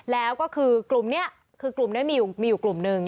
แล้วก็คือกลุ่มนี้มีอยู่กลุ่มหนึ่ง